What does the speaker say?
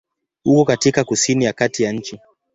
Uko katika kusini ya kati ya nchi.